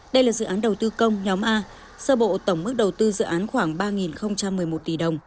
đây là dự án đầu tư công nhóm a sơ bộ tổng mức đầu tư dự án khoảng ba một mươi một tỷ đồng